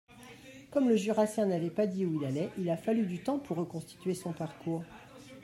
Comme le Jurassien n’avait pas dit où il allait, il a fallu du temps pour reconstituer son parcours.